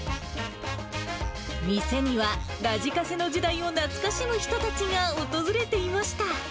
店にはラジカセの時代を懐かしむ人たちが訪れていました。